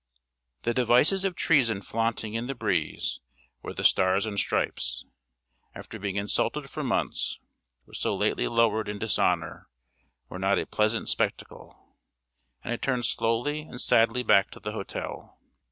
The devices of treason flaunting in the breeze where the Stars and Stripes, after being insulted for months, were so lately lowered in dishonor, were not a pleasant spectacle, and I turned slowly and sadly back to the hotel.